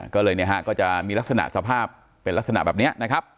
ก็เลยจะมีลักษณะสภาพเป็นลักษณะแบบนี้